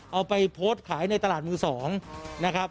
เอาไปโพสต์ขายในตลาดมือ๒นะครับ